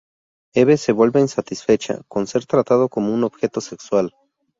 Eve se vuelve insatisfecha con ser tratado como un objeto sexual.